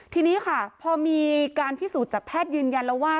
ทีนี้ค่ะพอมีการพิสูจน์จากแพทย์ยืนยันแล้วว่า